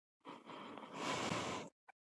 آیا قوانین باید اسلامي نه وي؟